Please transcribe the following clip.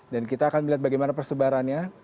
dan kita akan melihat bagaimana persebarannya